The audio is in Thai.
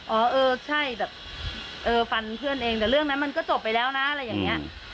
เออใช่แบบเออฟันเพื่อนเองแต่เรื่องนั้นมันก็จบไปแล้วนะอะไรอย่างนี้